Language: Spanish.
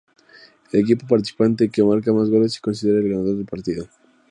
El equipo o participante que marca más goles es considerado el ganador del partido.